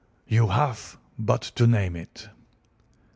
"You have but to name it."